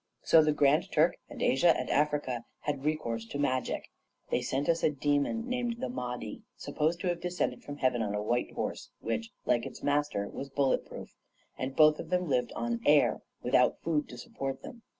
So the Grand Turk, and Asia, and Africa had recourse to magic. They sent us a demon, named the Mahdi, supposed to have descended from heaven on a white horse, which, like its master, was bullet proof; and both of them lived on air, without food to support them.